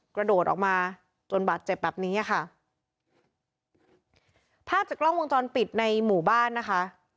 กระโดดออกมาจนบาดเจ็บแบบนี้อ่ะค่ะภาพจากกล้องวงจรปิดในหมู่บ้านนะคะ